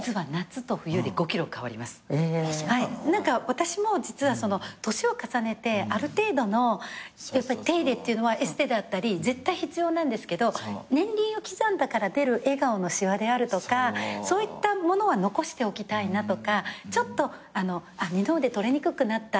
私も実は年を重ねてある程度の手入れっていうのはエステであったり絶対必要なんですけど年輪を刻んだから出る笑顔のしわであるとかそういったものは残しておきたいなとかちょっと二の腕とれにくくなった。